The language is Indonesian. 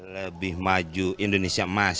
lebih maju indonesia emas